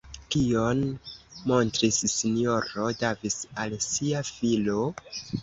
Kion montris S-ro Davis al sia filo?